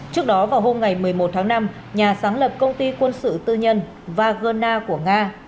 trước đó vào hôm ngày một mươi một tháng năm nhà sáng lập công ty quân sự tư nhân vagna của nga